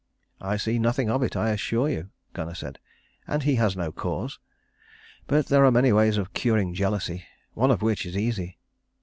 "I see nothing of it, I assure you," Gunnar said, "and he has no cause. But there are many ways of curing jealousy, one of which is easy."